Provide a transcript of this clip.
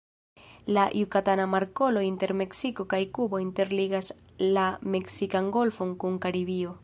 La Jukatana Markolo inter Meksiko kaj Kubo interligas la Meksikan Golfon kun Karibio.